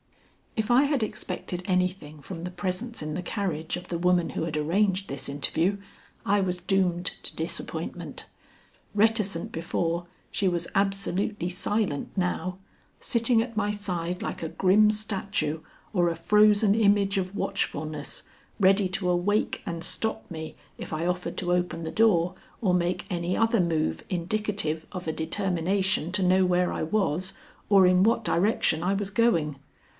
If I had expected anything from the presence in the carriage of the woman who had arranged this interview, I was doomed to disappointment. Reticent before, she was absolutely silent now, sitting at my side like a grim statue or a frozen image of watchfulness, ready to awake and stop me if I offered to open the door or make any other move indicative of a determination to know where I was, or in what direction I was going.